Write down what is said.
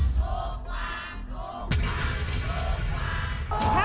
ถูกกว่าถูกกว่าถูกกว่าถูกกว่า